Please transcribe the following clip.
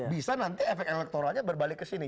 bisa nanti efek elektoralnya berbalik ke sini